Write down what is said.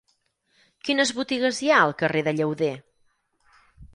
Quines botigues hi ha al carrer de Llauder?